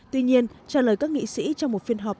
tuy nhiên trả lời các nghị sĩ trong một phiên họp